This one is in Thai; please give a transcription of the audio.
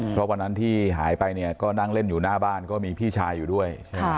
เพราะวันนั้นที่หายไปเนี่ยก็นั่งเล่นอยู่หน้าบ้านก็มีพี่ชายอยู่ด้วยใช่ไหม